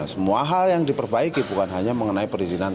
semua hal yang diperbaiki bukan hanya mengenai perizinan